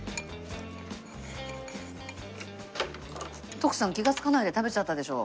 徳さん気がつかないで食べちゃったでしょ？